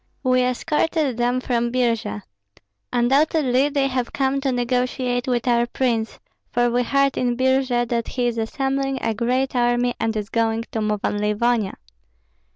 "We escorted them from Birji. Undoubtedly they have come to negotiate with our prince, for we heard in Birji that he is assembling a great army and is going to move on Livonia."